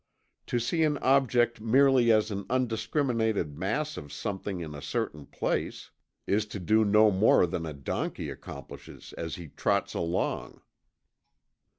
To see an object merely as an undiscriminated mass of something in a certain place, is to do no more than a donkey accomplishes as he trots along."